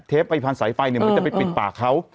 เทปไปผ่านสายไฟหนึ่งมันจะไปปิดปากเขา